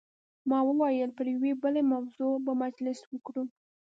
ما وویل پر یوې بلې موضوع به مجلس وکړو.